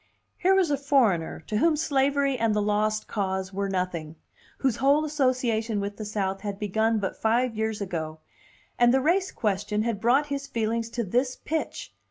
Here was a foreigner to whom slavery and the Lost Cause were nothing, whose whole association with the South had begun but five years ago; and the race question had brought his feelings to this pitch!